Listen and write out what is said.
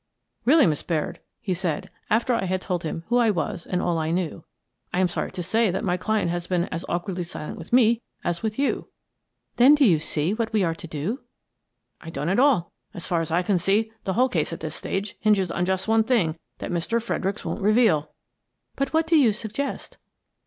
" Really, Miss Baird," he said, after I had told him who I was and all I knew, "lam sorry to say that my client has been as awkwardly silent with me as with you." In the Jail 163 " Then do you see what we are to do? "" I don't at all. So far as I can see, the whole case, at this stage, hinges on just the one thing that Mr. Fredericks won't reveal." " But what do you suggest?